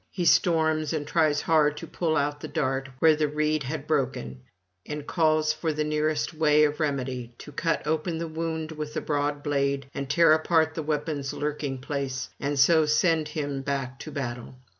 He storms, and tries hard to pull out the dart where the reed had broken, and calls for the nearest way of remedy, to cut open the wound with broad blade, and tear apart the weapon's lurking place, and so send him back to battle.